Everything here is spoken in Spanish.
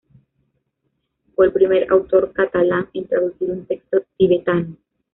Fue el primer autor catalán en traducir un texto tibetano.